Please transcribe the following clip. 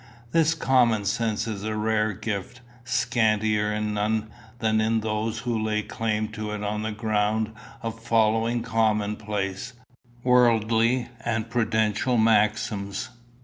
This common sense is a rare gift, scantier in none than in those who lay claim to it on the ground of following commonplace, worldly, and prudential maxims.